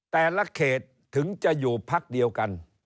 แต่ละเขตถึงจะอยู่พักเดียวกัน